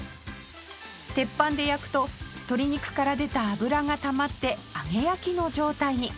鉄板で焼くと鶏肉から出た脂がたまって揚げ焼きの状態に